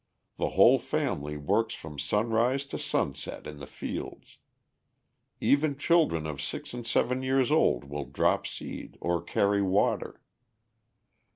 The whole family works from sunrise to sunset in the fields. Even children of six and seven years old will drop seed or carry water.